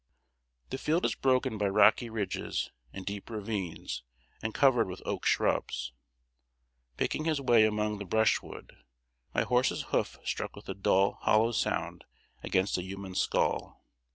The field is broken by rocky ridges and deep ravines, and covered with oak shrubs. Picking his way among the brushwood, my horse's hoof struck with a dull, hollow sound against a human skull.